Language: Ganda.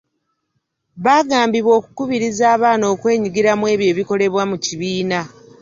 Baagambibwa okukubiriza abaana okwenyigira mu ebyo ebikolebwa mu kibiina.